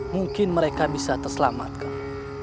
mungkin mereka bisa terselamatkan